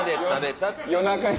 夜中に。